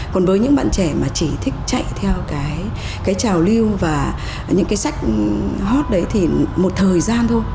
còn với những bạn trẻ mà chỉ thích chạy theo cái trào lưu và những cái sách hot đấy thì một thời gian thôi